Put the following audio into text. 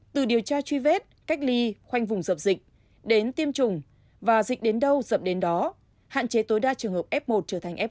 từ điều tra truy vết cách ly khoanh vùng dập dịch đến tiêm chủng và dịch đến đâu dẫn đến đó hạn chế tối đa trường hợp f một trở thành f một